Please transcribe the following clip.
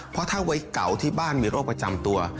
เพราะถ้าไว้เก่าที่บ้านมีโรคประจำตัว